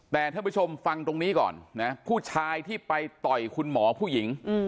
แต่ท่านผู้ชมฟังตรงนี้ก่อนนะผู้ชายที่ไปต่อยคุณหมอผู้หญิง